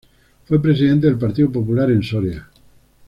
Fue presidente del Partido Popular en Soria.